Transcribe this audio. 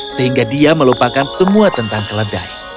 sehingga dia melupakan semua tentang keledai